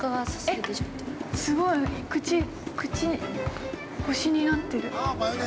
すごい、口口、星になってる。